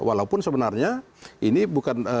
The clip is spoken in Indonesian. walaupun sebenarnya ini bukan mencari kesalahan